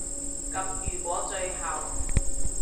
噉如果最後